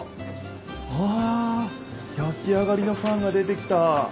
あやきあがりのパンが出てきた。